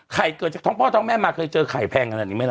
เกิดจากท้องพ่อท้องแม่มาเคยเจอไข่แพงขนาดนี้ไหมล่ะ